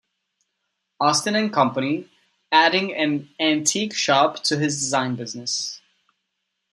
Austin and Company, adding an antique shop to his design business.